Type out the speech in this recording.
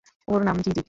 ওর নাম জিজি।